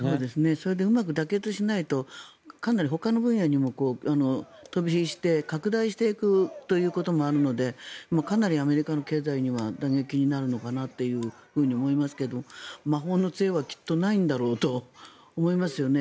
それでうまく妥結しないとかなりほかの分野にも飛び火して拡大していくということもあるのでかなりアメリカの経済には打撃になるのかなと思いますが魔法の杖はきっとないんだろうと思いますよね。